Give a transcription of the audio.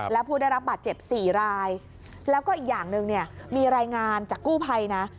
และผู้ได้รับบาดเจ็บ๔รายแล้วก็อีกอย่างหนึ่งเนี่ยมีรายงานจากกู้ภัยนะ